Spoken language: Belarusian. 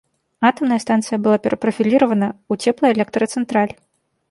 Атамная станцыя была перапрафіліравана ў цеплаэлектрацэнтраль.